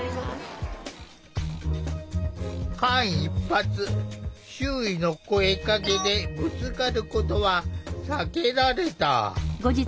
間一髪周囲の声かけでぶつかることは避けられた。